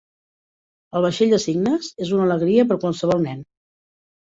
El vaixell de cignes és una alegria per a qualsevol nen.